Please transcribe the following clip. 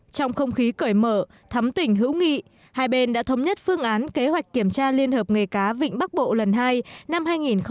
trong không khí cởi mở thắm tỉnh hữu nghị hai bên đã thống nhất phương án kế hoạch kiểm tra liên hợp nghề cá vịnh bắc bộ lần hai năm hai nghìn hai mươi